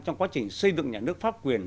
trong quá trình xây dựng nhà nước pháp quyền